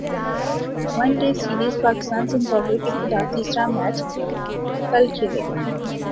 one day سیریزپاکستان Zimbabwe کیخلاف تیسرا match کل کھیلے گا